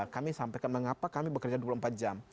kami sampaikan mengapa kami bekerja dua puluh empat jam